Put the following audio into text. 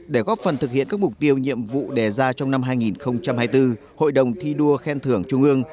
để góp phần thực hiện các mục tiêu nhiệm vụ đề ra trong năm hai nghìn hai mươi bốn hội đồng thi đua khen thưởng trung ương